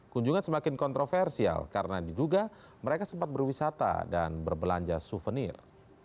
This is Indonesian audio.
kunjungan semakin kontroversial karena diduga mereka sempat berwisata dan berbelanja souvenir